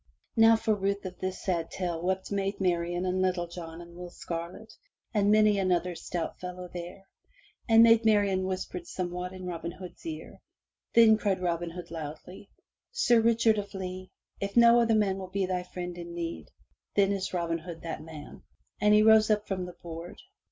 *' Now for ruth of this sad tale wept Maid Marian and Little John and Will Scarlet, and many another stout fellow there. And Maid Marian whispered somewhat in Robin Hood's ear. Then cried Robin Hood loudly: "Sir Richard of the Lea, if no other man be thy friend in need, then is Robin Hood that man.*' And he rose up from the board.